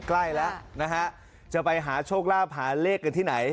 ใกล้แล้วนะฮะจะไปหาโชคลาภหาเลขกันที่ไหน